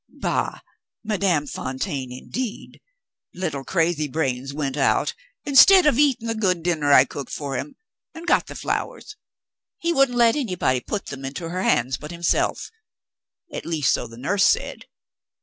"Bah! Madame Fontaine, indeed! Little Crazybrains went out (instead of eating the good dinner I cooked for him), and got the flowers. He wouldn't let anybody put them into her hands but himself at least, so the nurse said.